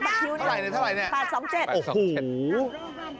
นี่บัตรคิวนี่บัตรสองเจ็ดบัตรสองเจ็ดบัตรสองเจ็ด